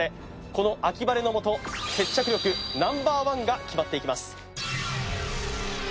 この秋晴れのもと接着力Ｎｏ．１が決まっていきます